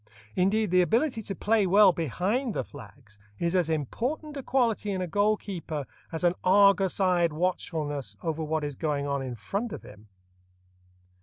Indeed, the ability to play well "behind the flags" is as important a quality in a goal keeper as an argus eyed watchfulness over what is going on in front of him.